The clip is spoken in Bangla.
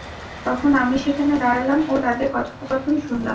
তখন আমি সেখানে দাঁড়ালাম ও তাদের কথোপকথন শুনলাম।